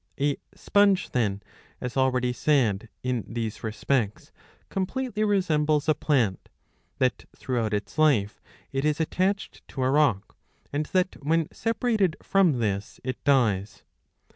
^^ A sponge ^^ then, as already said, in these respects completely resembles a plant, that throughout its life it is attached to a rock, and that when separated from this it dies.